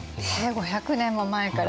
５００年も前からね。